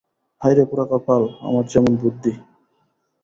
হায় রে পোড়া কপাল, আমার যেমন বুদ্ধি!